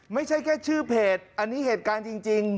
ไม่ใช่แค่ชื่อเพจอันนี้เหตุการณ์จริง